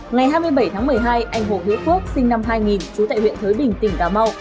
ngày hai mươi bảy tháng một mươi hai anh hồ hiếu quốc sinh năm hai nghìn trú tại huyện thới bình tỉnh đà mau